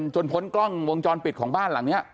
พ้นกล้องวงจรปิดของบ้านหลังนี้